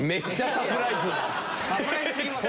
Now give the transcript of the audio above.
サプライズすぎますね。